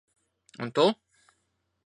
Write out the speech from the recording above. Un tu?